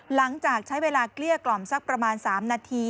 หลังจากใช้เวลาเกลี้ยกล่อมสักประมาณ๓นาที